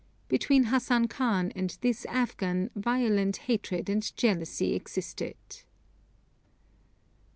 Between Hassan Khan and this Afghan violent hatred and jealousy existed.